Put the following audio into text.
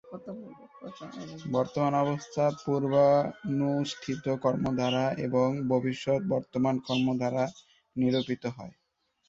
বর্তমান অবস্থা পূর্বানুষ্ঠিত কর্ম দ্বারা, এবং ভবিষ্যৎ বর্তমান কর্ম দ্বারা নিরূপিত হয়।